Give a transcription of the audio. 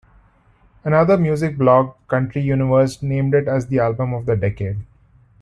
Another music blog, Country Universe, named it as the album of the decade.